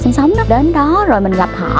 sinh sống đó đến đó rồi mình gặp họ